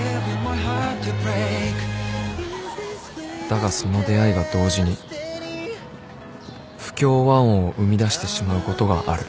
［だがその出会いが同時に不協和音を生み出してしまうことがある］